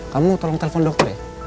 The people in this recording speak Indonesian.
kamu tolong telpon dokter ya